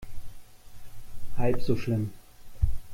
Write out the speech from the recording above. Halb so schlimm.